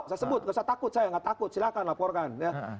saya sebut takut saya nggak takut silahkan laporkan